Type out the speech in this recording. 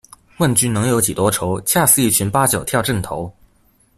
問君能有幾多愁，恰似一群八九跳陣頭